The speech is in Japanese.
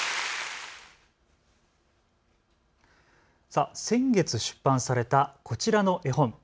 さあ先月出版されたこちらの絵本。